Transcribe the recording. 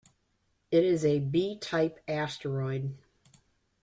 It is a B-type asteroid.